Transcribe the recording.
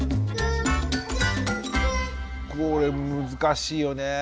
これ難しいよね。